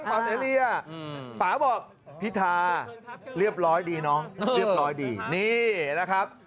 ป่าเสรียป่าบอกพิธาเรียบร้อยดีน้องเรียบร้อยดีนี่นะครับ